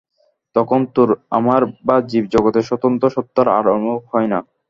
তখন তোর, আমার বা জীব-জগতের স্বতন্ত্র সত্তার আর অনুভব হয় না।